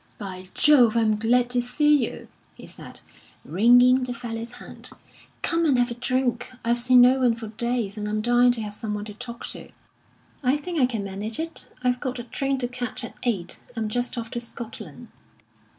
"By Jove, I am glad to see you!" he said, wringing the fellow's hand. "Come and have a drink. I've seen no one for days, and I'm dying to have some one to talk to." "I think I can manage it. I've got a train to catch at eight; I'm just off to Scotland."